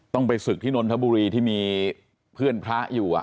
ไปศึกที่นนทบุรีที่มีเพื่อนพระอยู่